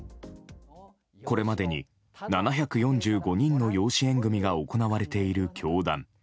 これまでに７４５人の養子縁組が行われている教団。